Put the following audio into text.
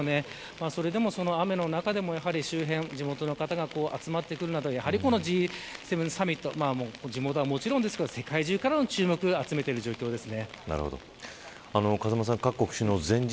それでも雨の中でも周辺地元の方が集まってくるなどやはりＧ７サミット地元はもちろんですけど世界中から注目を集めている状況です。